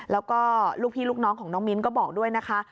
แล้วก็ลูกพี่ลูกน้องของน้องมิ้นก็บอกด้วยนะคะ